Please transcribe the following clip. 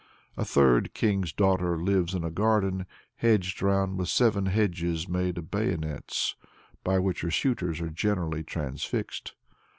A third king's daughter lives in a garden "hedged round with seven hedges made of bayonets," by which her suitors are generally transfixed.